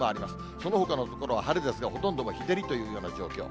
そのほかの所は晴れですが、ほとんど日照りというような状況。